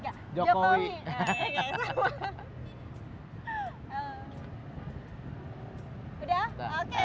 dan semakin banyak hal yang akan berlaku